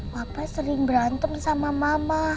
papa sering berantem sama mama